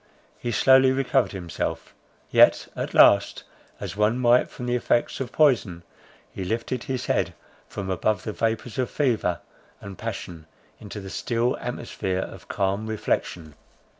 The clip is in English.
He slowly recovered himself; yet, at last, as one might from the effects of poison, he lifted his head from above the vapours of fever and passion into the still atmosphere of calm reflection.